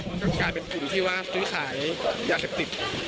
มันก็กลายเป็นกลุ่มที่ว่าซื้อขายยาเสพติด